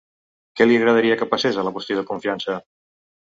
Què li agradaria que passés a la qüestió de confiança?